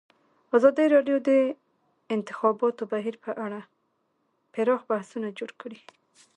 ازادي راډیو د د انتخاباتو بهیر په اړه پراخ بحثونه جوړ کړي.